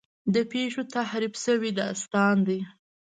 د پېښو تحریف شوی داستان دی.